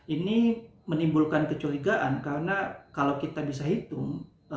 ini menimbulkan kecurigaan karena kalau kita bisa hitung